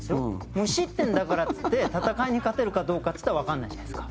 無失点だからっつって戦いに勝てるかどうかっつったらわかんないじゃないですか。